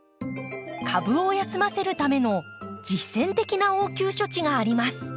株を休ませるための実践的な応急処置があります。